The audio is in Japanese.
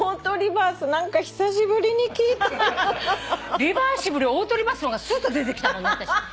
リバーシブルよりオートリバースのがすっと出てきたのね私。